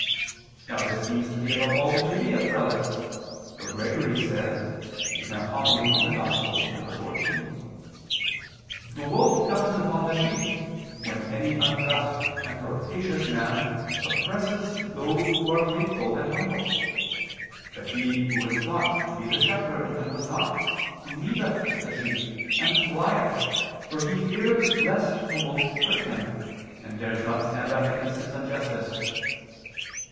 Now this seems to be above all the duty of prelates, for Gregory says (Hom. in Ev. xiv): "The wolf comes upon the sheep, when any unjust and rapacious man oppresses those who are faithful and humble. But he who was thought to be the shepherd, and was not, leaveth the sheep, and flieth, for he fears lest the wolf hurt him, and dares not stand up against his injustice."